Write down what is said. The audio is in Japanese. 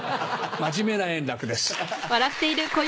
真面目な円楽です。